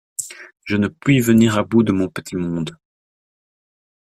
Je ne puis venir à bout de mon petit monde.